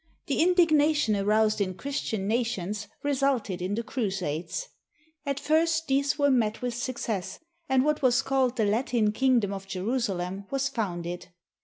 The indignation aroused in Christian nations resulted in the Crusades. At first these met with success, and what was called the Latin Kingdom of Jerusalem was founded.